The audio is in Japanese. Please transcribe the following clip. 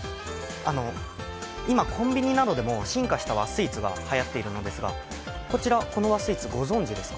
今、コンビニなどでも進化した和スーツがはやってるんですがこちら、この和スイーツ、ご存じですか？